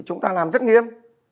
chúng ta làm rất nghiêm